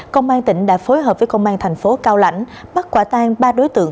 công an tỉnh đã phối hợp với công an thành phố cao lãnh bắt quả tan ba đối tượng